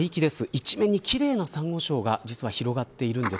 一面に奇麗なサンゴ礁が広がっているんです。